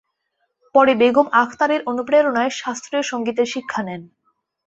পরে বেগম আখতারের অনুপ্রেরণায় শাস্ত্রীয় সঙ্গীতের শিক্ষা নেন।